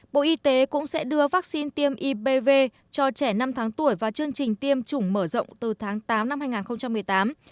bộ y tế cũng sẽ đưa vaccine tiêm ipv cho trẻ năm tháng tuổi vào chương trình tiêm chủng mở rộng từ tháng tám năm hai nghìn một mươi tám